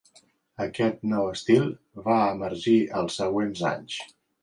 Aquest nou estil va emergir en els següents anys.